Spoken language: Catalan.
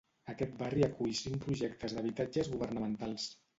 Aquest barri acull cinc projectes d'habitatges governamentals.